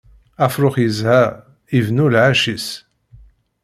Afrux yezha, ibennu lɛecc-is.